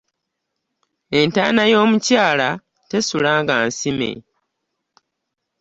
Entaana y'omukyala tesula nga nsime.